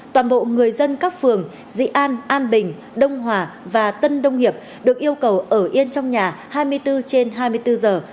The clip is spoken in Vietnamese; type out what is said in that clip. toàn bộ người dân các phường dị an an bình đông hòa và tân đông hiệp được yêu cầu ở yên trong nhà hai mươi bốn trên hai mươi bốn giờ